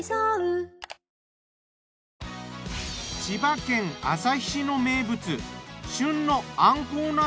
千葉県旭市の名物旬のアンコウ